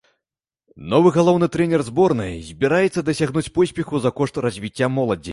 Новы галоўны трэнер зборнай збіраецца дасягнуць поспеху за кошт развіцця моладзі.